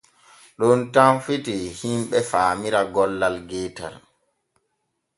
Ɗon tan fitii himɓe faamira gollal geetal.